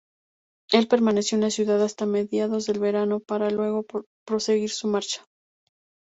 Él permaneció en la ciudad hasta mediados del verano, para luego proseguir su marcha.